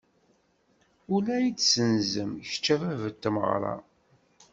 Ula i d-senzem, kečč a bab n tmeɣra.